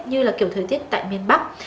như là kiểu thời tiết tại miền bắc